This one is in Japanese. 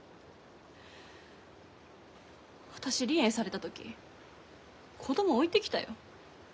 私離縁された時子供置いてきたよ。